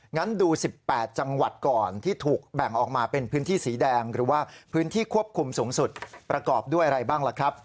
งั้นดู๑๘จังหวัดก่อนที่ถูกแบ่งออกมาเป็นพื้นที่สีแดงหรือว่าพื้นที่ควบคุมสูงสุดประกอบด้วยอะไรบ้างล่ะครับ